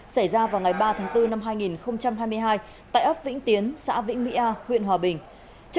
xảy ra vào ngày ba tháng bốn năm hai nghìn hai mươi hai tại ấp vĩnh tiến xã vĩnh mỹ a huyện hòa bình